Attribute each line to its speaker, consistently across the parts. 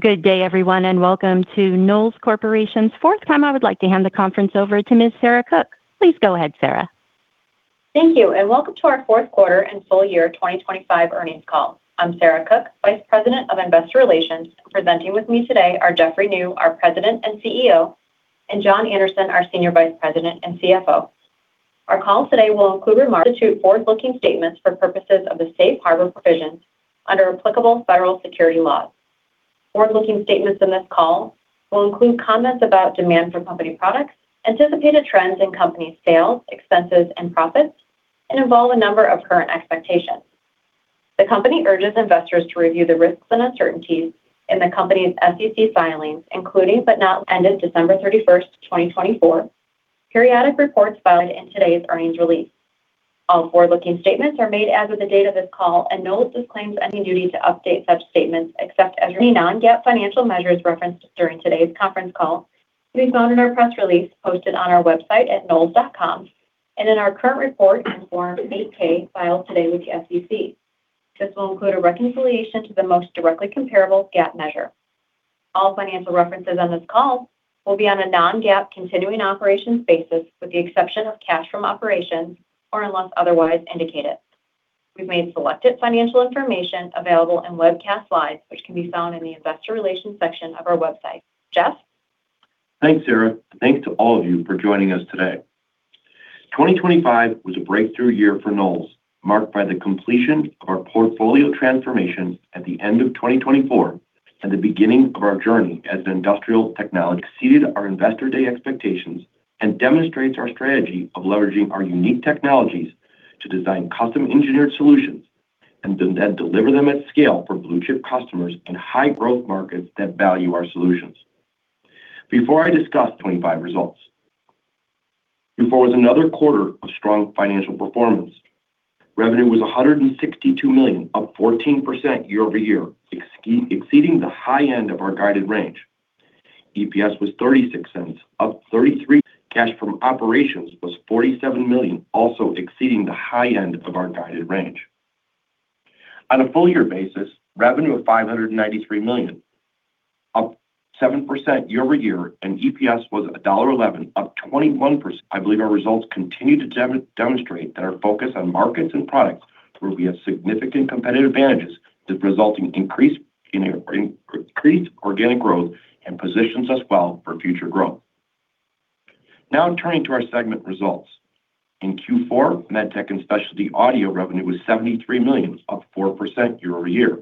Speaker 1: Good day, everyone, and welcome to Knowles Corporation's fourth quarter. I would like to hand the conference over to Ms. Sarah Cook. Please go ahead, Sarah.
Speaker 2: Thank you, and welcome to our fourth quarter and full year 2025 earnings call. I'm Sarah Cook, Vice President of Investor Relations, presenting with me today are Jeffrey Niew, our President and CEO, and John Anderson, our Senior Vice President and CFO. Our call today will include remarks about including forward-looking statements for purposes of the safe harbor provisions under applicable federal securities laws. Forward-looking statements in this call will include comments about demand for company products, anticipated trends in company sales, expenses, and profits, and involve a number of current expectations. The company urges investors to review the risks and uncertainties in the company's SEC filings, including but not limited to December 31st, 2024, periodic reports filed in today's earnings release. All forward-looking statements are made as of the date of this call, and Knowles disclaims any duty to update such statements except as requested. Any non-GAAP financial measures referenced during today's conference call can be found in our press release posted on our website at knowles.com and in our current report and Form 8-K filed today with the SEC. This will include a reconciliation to the most directly comparable GAAP measure. All financial references on this call will be on a non-GAAP continuing operations basis, with the exception of cash from operations or unless otherwise indicated. We've made selected financial information available in webcast slides, which can be found in the Investor Relations section of our website. Jeff?
Speaker 3: Thanks, Sarah, and thanks to all of you for joining us today. 2025 was a breakthrough year for Knowles, marked by the completion of our portfolio transformation at the end of 2024 and the beginning of our journey as an industrial technology company. Exceeded our Investor Day expectations and demonstrates our strategy of leveraging our unique technologies to design custom-engineered solutions and then deliver them at scale for blue-chip customers in high-growth markets that value our solutions. Before I discuss 2025 results, 2024 was another quarter of strong financial performance. Revenue was $162 million, up 14% year-over-year, exceeding the high end of our guided range. EPS was $0.36, up 33%. Cash from operations was $47 million, also exceeding the high end of our guided range. On a full year basis, revenue was $593 million, up 7% year-over-year, and EPS was $1.11, up 21%. I believe our results continue to demonstrate that our focus on markets and products will be of significant competitive advantages, resulting in increased organic growth and positions us well for future growth. Now turning to our segment results. In Q4, MedTech and Specialty Audio revenue was $73 million, up 4% year-over-year.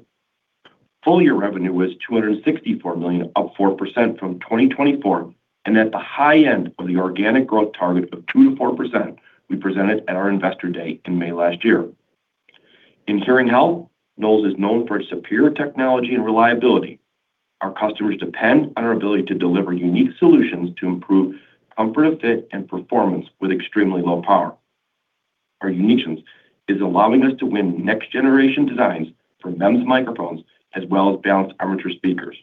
Speaker 3: Full year revenue was $264 million, up 4% from 2024, and at the high end of the organic growth target of 2%-4% we presented at our investor day in May last year. In hearing health, Knowles is known for its superior technology and reliability. Our customers depend on our ability to deliver unique solutions to improve comfort of fit and performance with extremely low power. Our unique solutions are allowing us to win next-generation designs for MEMS microphones as well as balanced armature speakers.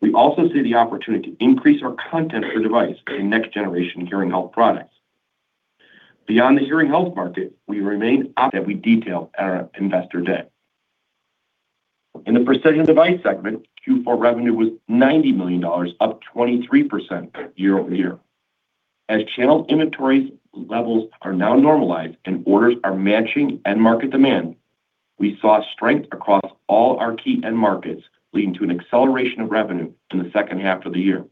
Speaker 3: We also see the opportunity to increase our content for device in next-generation hearing health products. Beyond the hearing health market, we remain. That we detailed at our Investor Day. In the Precision Devices segment, Q4 revenue was $90 million, up 23% year-over-year. As channel inventory levels are now normalized and orders are matching end-market demand, we saw strength across all our key end markets, leading to an acceleration of revenue in the second half of the year.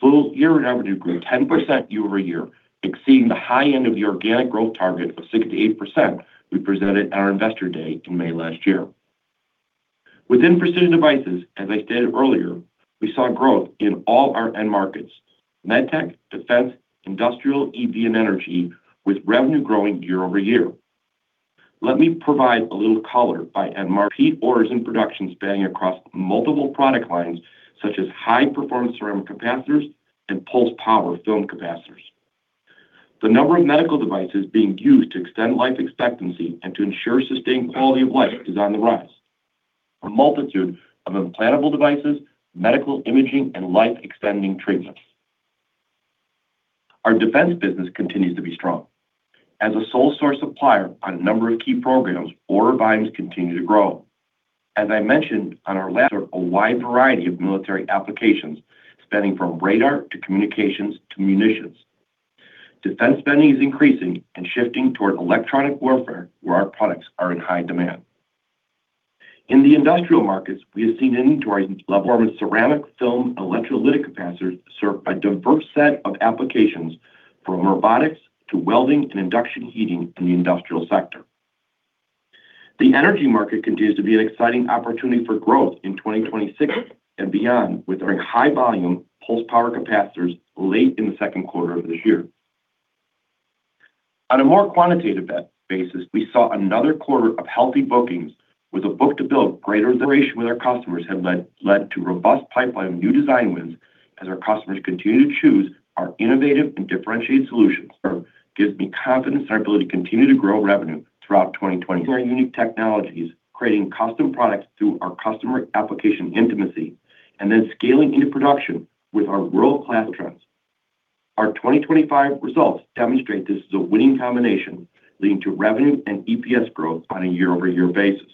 Speaker 3: Full year revenue grew 10% year-over-year, exceeding the high end of the organic growth target of 6%-8% we presented at our Investor Day in May last year. Within Precision Devices, as I stated earlier, we saw growth in all our end markets: MedTech, Defense, Industrial, EV and Energy, with revenue growing year-over-year. Let me provide a little color by end markets. Repeat orders and production spanning across multiple product lines such as high-performance ceramic capacitors and pulse power film capacitors. The number of medical devices being used to extend life expectancy and to ensure sustained quality of life is on the rise. A multitude of implantable devices, medical imaging, and life-extending treatments. Our Defense business continues to be strong. As a sole-source supplier on a number of key programs, order volumes continue to grow. As I mentioned on our last. Serve a wide variety of military applications, spanning from radar to communications to munitions. Defense spending is increasing and shifting toward electronic warfare, where our products are in high demand. In the Industrial markets, we have seen inventory levels increase. Performance ceramic film electrolytic capacitors serve a diverse set of applications, from robotics to welding and induction heating in the industrial sector. The Energy market continues to be an exciting opportunity for growth in 2026 and beyond, with high-volume pulse power capacitors late in the second quarter of this year. On a more quantitative basis, we saw another quarter of healthy bookings with a book-to-bill greater than 1x. Collaboration with our customers has led to robust pipeline of new design wins as our customers continue to choose our innovative and differentiated solutions. This gives me confidence in our ability to continue to grow revenue throughout 2025. We are using unique technologies, creating custom products through our customer application intimacy, and then scaling into production with our world-class trends. Our 2025 results demonstrate this is a winning combination, leading to revenue and EPS growth on a year-over-year basis.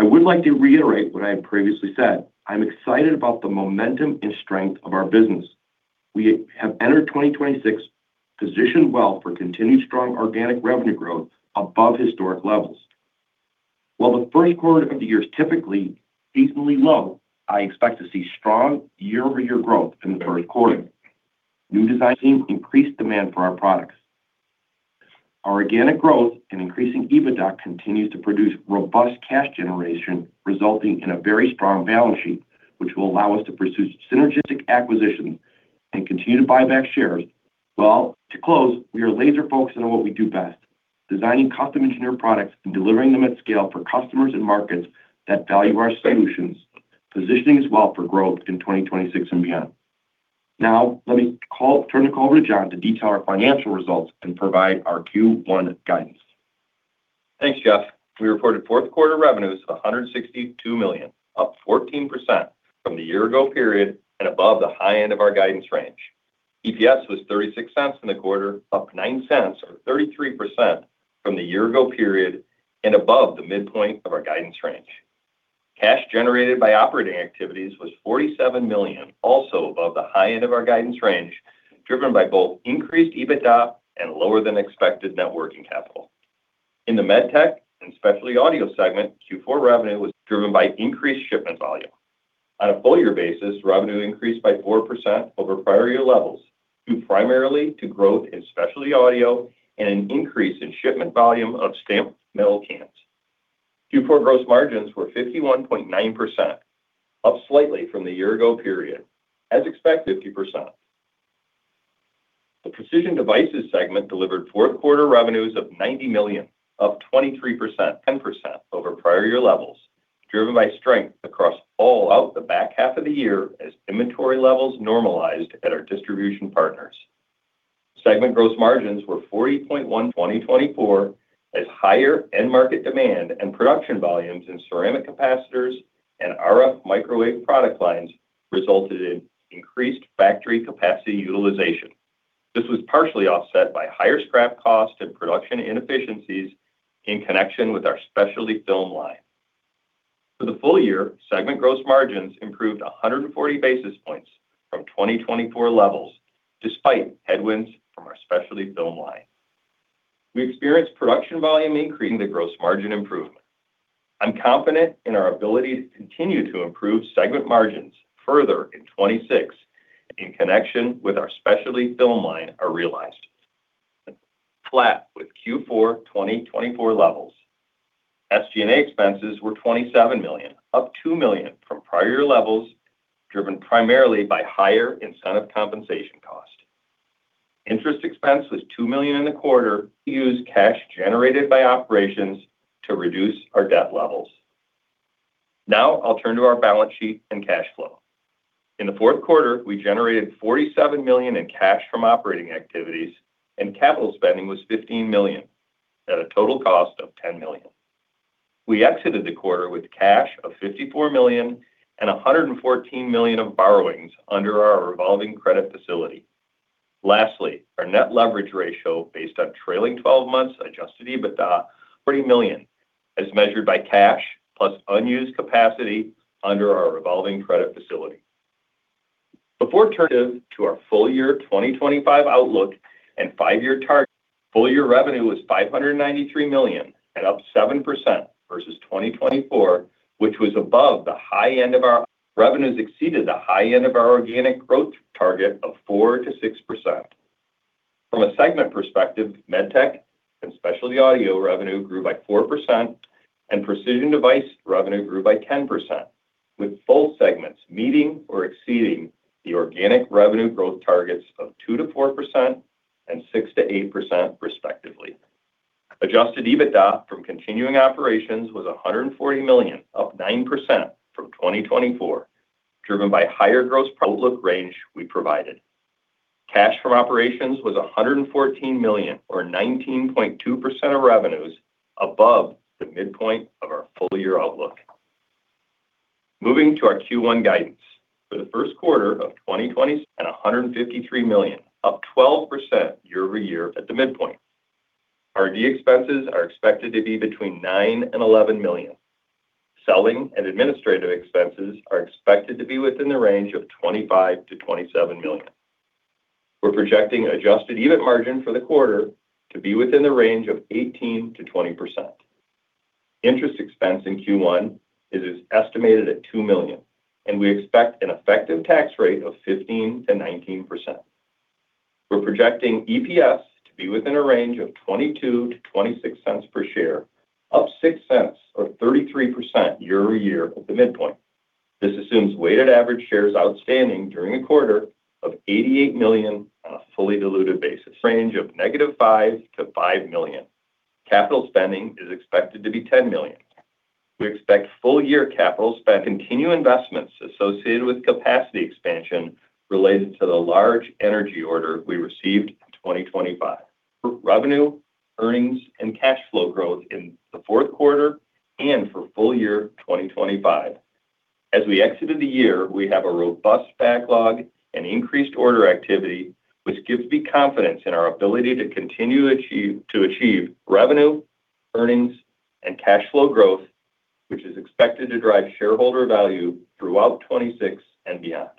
Speaker 3: I would like to reiterate what I had previously said. I'm excited about the momentum and strength of our business. We have entered 2026 positioned well for continued strong organic revenue growth above historic levels. While the first quarter of the year is typically seasonally low, I expect to see strong year-over-year growth in the first quarter. New designs can increase demand for our products. Our organic growth and increasing EBITDA continues to produce robust cash generation, resulting in a very strong balance sheet, which will allow us to pursue synergistic acquisitions and continue to buy back shares well. To close, we are laser-focused on what we do best: designing custom-engineered products and delivering them at scale for customers and markets that value our solutions, positioning as well for growth in 2026 and beyond. Now let me turn the call over to John to detail our financial results and provide our Q1 guidance.
Speaker 4: Thanks, Jeff. We reported fourth quarter revenues of $162 million, up 14% from the year-ago period and above the high end of our guidance range. EPS was $0.36 in the quarter, up $0.09, or 33% from the year-ago period and above the midpoint of our guidance range. Cash generated by operating activities was $47 million, also above the high end of our guidance range, driven by both increased EBITDA and lower-than-expected working capital. In the MedTech & Specialty Audio segment, Q4 revenue was driven by increased shipment volume. On a full year basis, revenue increased by 4% over prior year levels, primarily to growth in Specialty Audio and an increase in shipment volume of stamped metal cans. Q4 gross margins were 51.9%, up slightly from the year-ago period, as expected, 50%. The Precision Devices segment delivered fourth quarter revenues of $90 million, up 23%. 10% over prior year levels, driven by strength across all. Throughout the back half of the year as inventory levels normalized at our distribution partners. Segment gross margins were 40.1%. 2024, as higher end-market demand and production volumes in ceramic capacitors and RF microwave product lines resulted in increased factory capacity utilization. This was partially offset by higher scrap cost and production inefficiencies in connection with our specialty film line. For the full year, segment gross margins improved 140 basis points from 2024 levels, despite headwinds from our specialty film line. We experienced production volume increasing. The gross margin improvement. I'm confident in our ability to continue to improve segment margins further in 2026 in connection with our specialty film line. Are realized. Flat with Q4 2024 levels. SG&A expenses were $27 million, up $2 million from prior year levels, driven primarily by higher incentive compensation cost. Interest expense was $2 million in the quarter. We used cash generated by operations to reduce our debt levels. Now I'll turn to our balance sheet and cash flow. In the fourth quarter, we generated $47 million in cash from operating activities, and capital spending was $15 million at a total cost of $10 million. We exited the quarter with cash of $54 million and $114 million of borrowings under our revolving credit facility. Lastly, our net leverage ratio based on trailing 12 months adjusted EBITDA. Million as measured by cash plus unused capacity under our revolving credit facility. Before turning to our full year 2025 outlook and five-year target, full year revenue was $593 million and up 7% versus 2024, which was above the high end of our. Revenues exceeded the high end of our organic growth target of 4%-6%. From a segment perspective, MedTech and Specialty Audio revenue grew by 4%, and Precision Devices revenue grew by 10%, with both segments meeting or exceeding the organic revenue growth targets of 2%-4% and 6%-8%, respectively. Adjusted EBITDA from continuing operations was $140 million, up 9% from 2024, driven by higher gross. Outlook range we provided. Cash from operations was $114 million, or 19.2% of revenues, above the midpoint of our full year outlook. Moving to our Q1 guidance. For the first quarter of 2025. And $153 million, up 12% year-over-year at the midpoint. R&D expenses are expected to be between $9 million and $11 million. Selling and administrative expenses are expected to be within the range of $25 million-$27 million. We're projecting adjusted EBIT margin for the quarter to be within the range of 18%-20%. Interest expense in Q1 is estimated at $2 million, and we expect an effective tax rate of 15%-19%. We're projecting EPS to be within a range of $0.22-$0.26 per share, up $0.06, or 33% year-over-year at the midpoint. This assumes weighted average shares outstanding during a quarter of 88 million on a fully diluted basis. Range of -5% to 5 million. Capital spending is expected to be $10 million. We expect full year capital spending. Continue investments associated with capacity expansion related to the large energy order we received in 2025. Revenue, earnings, and cash flow growth in the fourth quarter and for full year 2025. As we exited the year, we have a robust backlog and increased order activity, which gives me confidence in our ability to continue to achieve revenue, earnings, and cash flow growth, which is expected to drive shareholder value throughout 2026 and beyond.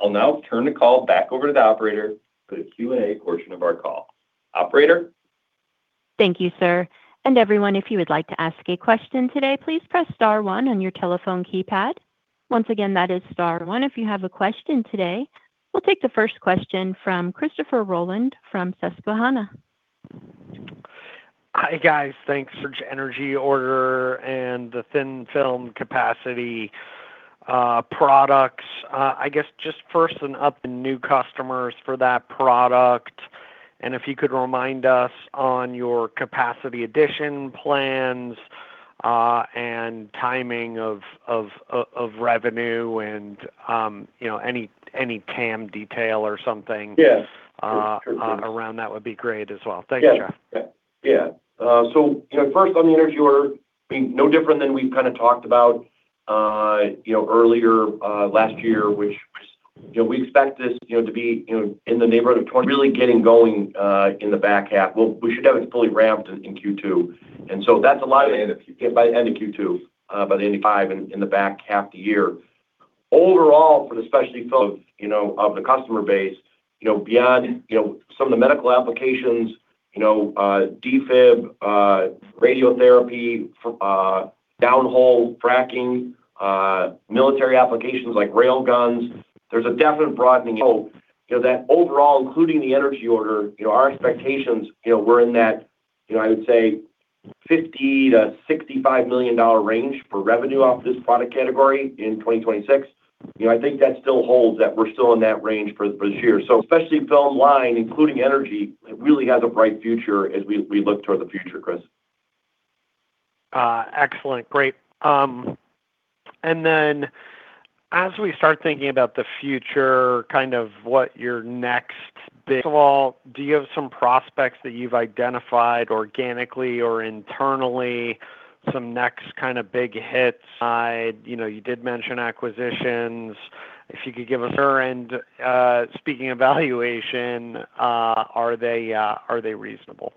Speaker 4: I'll now turn the call back over to the operator for the Q&A portion of our call. Operator?
Speaker 1: Thank you, sir. Everyone, if you would like to ask a question today, please press star one on your telephone keypad. Once again, that is star one if you have a question today. We'll take the first question from Christopher Rolland from Susquehanna.
Speaker 5: Hi, guys. Thanks. Energy order and the thin-film capacitor products. I guess just first an update on new customers for that product. And if you could remind us on your capacity addition plans and timing of revenue and any TAM detail or something around that would be great as well. Thanks, Jeff.
Speaker 3: Yeah. Yeah. Yeah. So first, on the energy order, no different than we've kind of talked about earlier last year, which we expect this to be in the neighborhood of. Really getting going in the back half. Well, we should have it fully ramped in Q2. And so that's a lot of.
Speaker 4: By the end of Q2.
Speaker 3: Yeah. By the end of Q2. By the end of 2025 in the back half of the year. Overall, for the specialty film. Of the customer base, beyond some of the medical applications, Defib, radiotherapy, downhole fracking, military applications like railguns, there's a definite broadening. So that overall, including the energy order, our expectations, we're in that, I would say, $50 million-$65 million range for revenue off this product category in 2026. I think that still holds, that we're still in that range for this year. So specialty film line, including energy, really has a bright future as we look toward the future, Chris.
Speaker 5: Excellent. Great. And then as we start thinking about the future, kind of what your next overall, do you have some prospects that you've identified organically or internally, some next kind of big hits. Besides, you did mention acquisitions. If you could give us. And speaking of valuation, are they reasonable?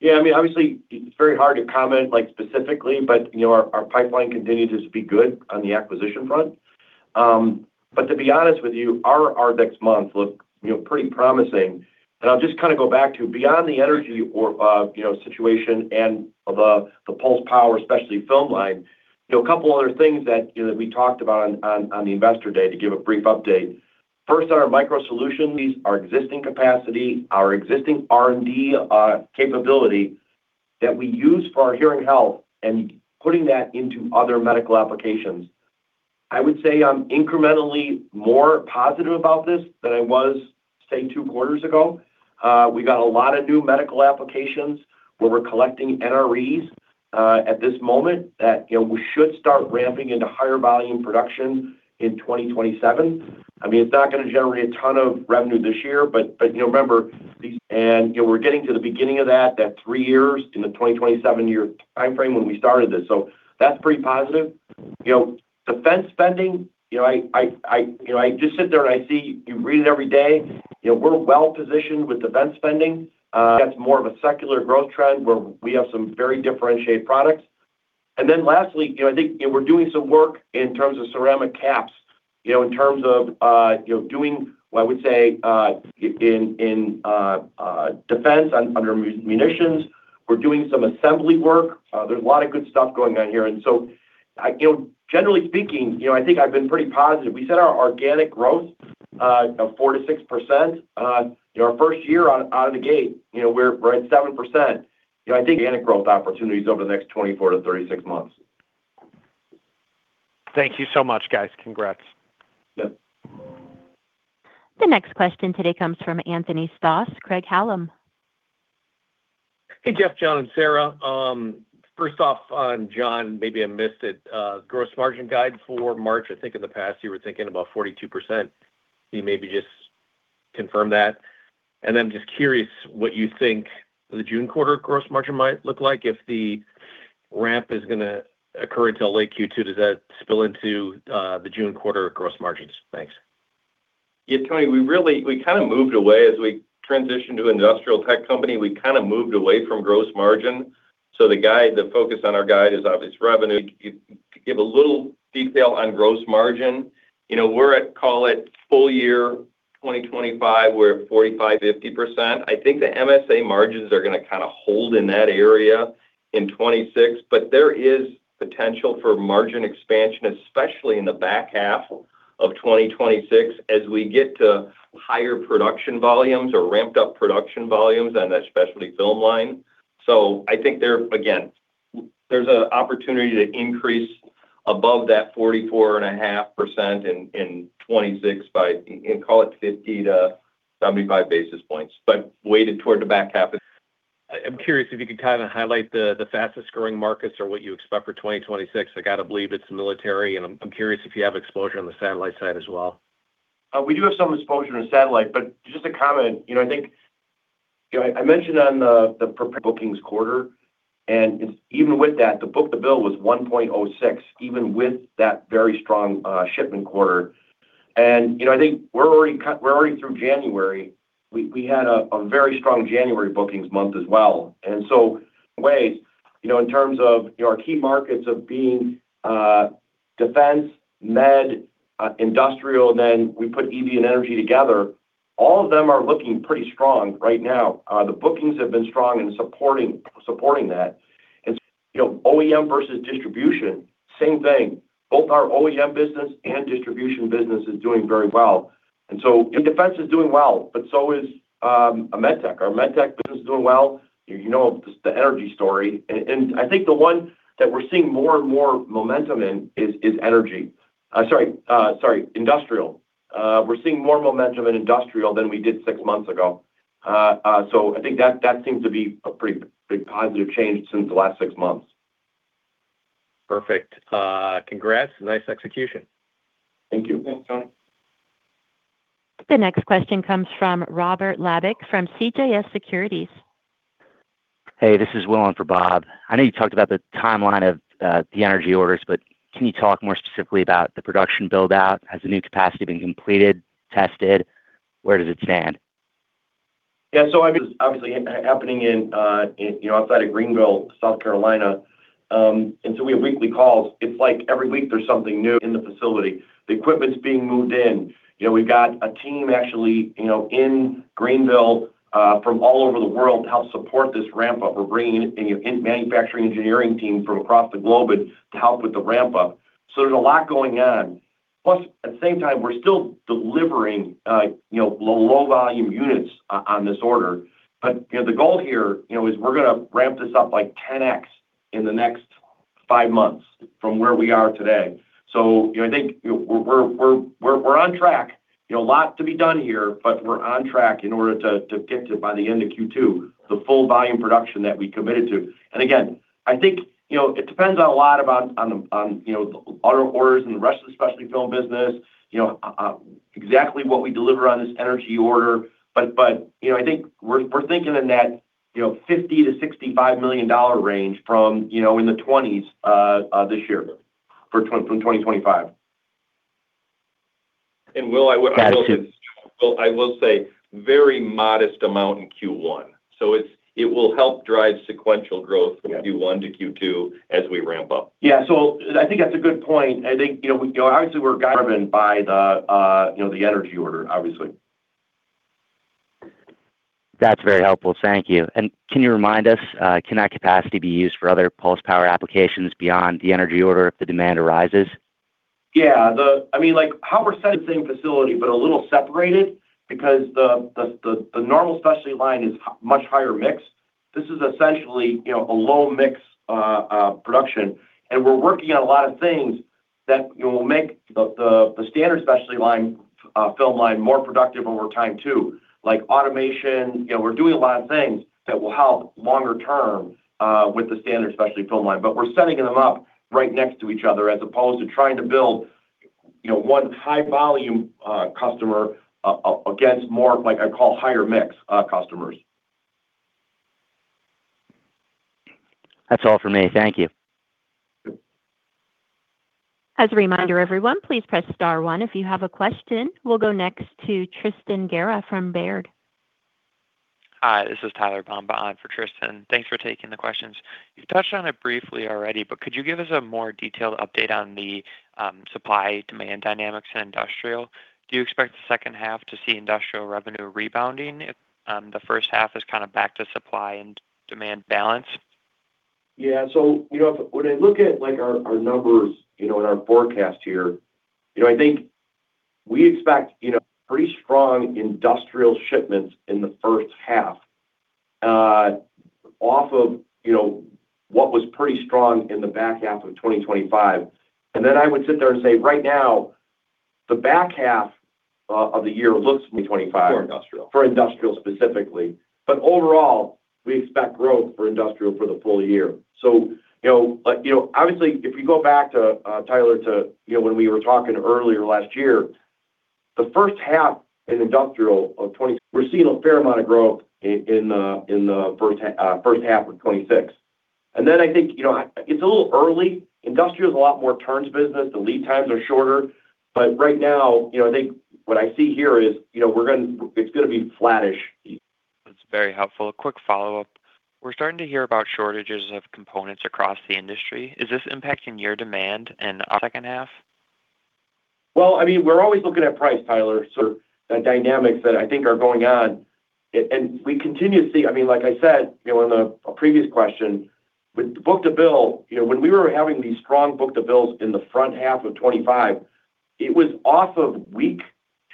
Speaker 3: Yeah. I mean, obviously, it's very hard to comment specifically, but our pipeline continues to be good on the acquisition front. But to be honest with you, our next month looks pretty promising. And I'll just kind of go back to beyond the energy situation and the pulse power, especially film line, a couple of other things that we talked about on the Investor Day to give a brief update. First, on our microsolutions. Our existing capacity, our existing R&D capability that we use for our hearing health and putting that into other medical applications. I would say I'm incrementally more positive about this than I was, say, two quarters ago. We got a lot of new medical applications where we're collecting NREs at this moment that we should start ramping into higher volume production in 2027. I mean, it's not going to generate a ton of revenue this year, but remember, these. And we're getting to the beginning of that three years in the 2027 year timeframe when we started this. So that's pretty positive. Defense spending, I just sit there and I see you read it every day. We're well-positioned with defense spending. That's more of a secular growth trend where we have some very differentiated products. And then lastly, I think we're doing some work in terms of ceramic caps, in terms of doing, I would say, in Defense under munitions. We're doing some assembly work. There's a lot of good stuff going on here. And so generally speaking, I think I've been pretty positive. We said our organic growth of 4%-6%. Our first year out of the gate, we're at 7%. I think. Organic growth opportunities over the next 24-36 months.
Speaker 5: Thank you so much, guys. Congrats.
Speaker 3: Yep.
Speaker 1: The next question today comes from Anthony Stoss, Craig-Hallum. Hey, Jeff, John, and Sarah. First off, John, maybe I missed it. Gross margin guide for March, I think in the past, you were thinking about 42%. Can you maybe just confirm that? And then I'm just curious what you think the June quarter gross margin might look like. If the ramp is going to occur until late Q2, does that spill into the June quarter gross margins? Thanks.
Speaker 4: Yeah, Tony, we kind of moved away as we transitioned to an industrial tech company. We kind of moved away from gross margin. So the focus on our guide is obviously revenue. Give a little detail on gross margin. We're at, call it, full year 2025. We're at 45%-50%. I think the MSA margins are going to kind of hold in that area in 2026, but there is potential for margin expansion, especially in the back half of 2026 as we get to higher production volumes or ramped up production volumes on that specialty film line. So I think there, again, there's an opportunity to increase above that 44.5% in 2026 by, call it, 50-75 basis points, but weighted toward the back half of.
Speaker 6: I'm curious if you could kind of highlight the fastest growing markets or what you expect for 2026. I got to believe it's military, and I'm curious if you have exposure on the satellite side as well.
Speaker 3: We do have some exposure in the satellite, but just to comment, I think I mentioned on the bookings quarter. Even with that, the book-to-bill was 1.06x, even with that very strong shipment quarter. I think we're already through January. We had a very strong January bookings month as well. And so, in terms of our key markets being Defense, Med, Industrial, and then we put EV and Energy together, all of them are looking pretty strong right now. The bookings have been strong and supporting that. And so OEM versus distribution, same thing. Both our OEM business and distribution business is doing very well. And so Defense is doing well, but so is MedTech. Our MedTech business is doing well. You know the Energy story. And I think the one that we're seeing more and more momentum in is energy. Sorry. Sorry. Industrial. We're seeing more momentum in Industrial than we did six months ago. I think that seems to be a pretty big positive change since the last six months.
Speaker 6: Perfect. Congrats. Nice execution.
Speaker 3: Thank you.
Speaker 4: Thanks, Tony.
Speaker 1: The next question comes from Robert Labick from CJS Securities. Hey, this is Will on for Bob. I know you talked about the timeline of the energy orders, but can you talk more specifically about the production buildout? Has the new capacity been completed, tested? Where does it stand?
Speaker 3: Yeah. So it is obviously happening outside of Greenville, South Carolina. We have weekly calls. It's like every week there's something new. In the facility, the equipment's being moved in. We've got a team actually in Greenville from all over the world to help support this ramp-up. We're bringing in a manufacturing engineering team from across the globe to help with the ramp-up. So there's a lot going on. Plus, at the same time, we're still delivering low-volume units on this order. But the goal here is we're going to ramp this up 10x in the next five months from where we are today. So I think we're on track. A lot to be done here, but we're on track in order to get to, by the end of Q2, the full-volume production that we committed to. Again, I think it depends on a lot about the auto orders and the rest of the specialty film business, exactly what we deliver on this energy order. But I think we're thinking in that $50 million-$65 million range from in the 2020s this year from 2025.
Speaker 4: Will, I will say, very modest amount in Q1. It will help drive sequential growth from Q1 to Q2 as we ramp up.
Speaker 3: Yeah. So I think that's a good point. I think, obviously, we're driven by the energy order, obviously.
Speaker 7: That's very helpful. Thank you. Can you remind us, can that capacity be used for other pulse power applications beyond the energy order if the demand arises?
Speaker 3: Yeah. I mean, how we're setting up. Same facility, but a little separated because the normal specialty line is much higher mix. This is essentially a low-mix production. And we're working on a lot of things that will make the standard specialty film line more productive over time too, like automation. We're doing a lot of things that will help longer term with the standard specialty film line. But we're setting them up right next to each other as opposed to trying to build one high-volume customer against more, I call, higher-mix customers.
Speaker 7: That's all from me. Thank you.
Speaker 1: As a reminder, everyone, please press star one. If you have a question, we'll go next to Tristan Gerra from Baird. Hi. This is Tyler Bomba on for Tristan. Thanks for taking the questions. You've touched on it briefly already, but could you give us a more detailed update on the supply-demand dynamics in Industrial? Do you expect the second half to see Industrial revenue rebounding if the first half is kind of back to supply and demand balance?
Speaker 3: Yeah. So when I look at our numbers and our forecast here, I think we expect pretty strong Industrial shipments in the first half off of what was pretty strong in the back half of 2025. And then I would sit there and say, right now, the back half of the year looks.
Speaker 4: 2025. For Industrial.
Speaker 3: For Industrial specifically. But overall, we expect growth for Industrial for the full year. So obviously, if you go back, Tyler, to when we were talking earlier last year, the first half in Industrial of. We're seeing a fair amount of growth in the first half of 2026. And then I think it's a little early. Industrial is a lot more turns business. The lead times are shorter. But right now, I think what I see here is it's going to be flattish.
Speaker 8: That's very helpful. A quick follow-up. We're starting to hear about shortages of components across the industry. Is this impacting your demand and second half?
Speaker 3: Well, I mean, we're always looking at price, Tyler. That dynamics that I think are going on. And we continue to see I mean, like I said in a previous question, with the book-to-bill, when we were having these strong book-to-bills in the front half of 2025, it was off of weak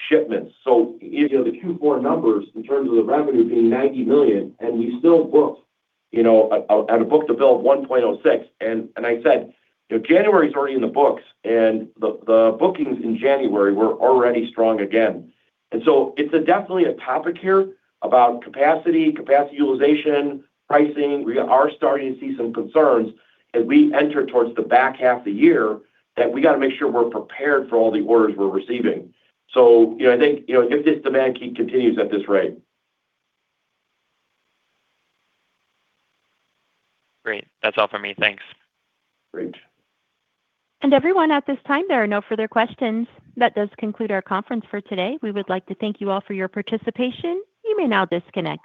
Speaker 3: shipments. So. The Q4 numbers in terms of the revenue being $90 million, and we still booked at a book-to-bill of 1.06x. And I said, January's already in the books, and the bookings in January were already strong again. And so it's definitely a topic here about capacity, capacity utilization, pricing. We are starting to see some concerns as we enter towards the back half of the year that we got to make sure we're prepared for all the orders we're receiving. So I think if this demand continues at this rate.
Speaker 8: Great. That's all from me. Thanks.
Speaker 3: Great.
Speaker 1: Everyone, at this time, there are no further questions. That does conclude our conference for today. We would like to thank you all for your participation. You may now disconnect.